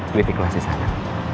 klik di kelas di sana